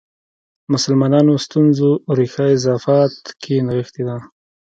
مسلمانانو ستونزو ریښه اضافات کې نغښې ده.